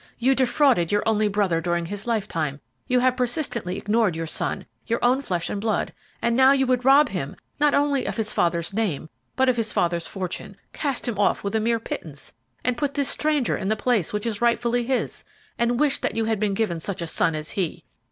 You defrauded your only brother during his lifetime; you have persistently ignored your son, your own flesh and blood; and now you would rob him, not only of his father's name, but of his father's fortune, cast him off with a mere pittance, and put this stranger in the place which is rightfully his, and wish that you had been given such a son as he!